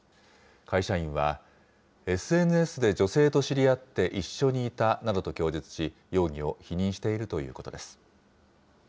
会社員は、ＳＮＳで女性と知り合って一緒にいたなどと供述し、容疑を否認しているということです。